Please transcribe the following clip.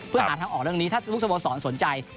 เพื่อหาทางออกเรื่องนี้ถ้าทุกสโมสรสนใจ